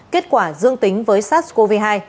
kết quả dương tính với sars cov hai